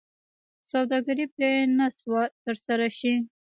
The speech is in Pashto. سوداګري پرې نه شوه ترسره شي.